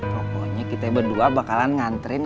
pokoknya kita berdua bakalan nganterin